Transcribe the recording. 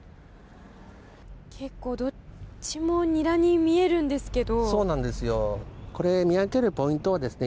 結構、どっちもニラに見えるんですけど。